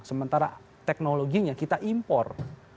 sementara teknologinya kita impor